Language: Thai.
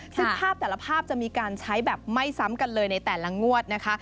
ซึ่งภาพแต่ละภาพจะมีการใช้แบบไม่ซ้ำกันเลยในแต่ละงวดนะคะ